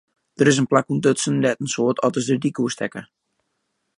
Der is in plak ûntdutsen dêr't in soad otters de dyk oerstekke.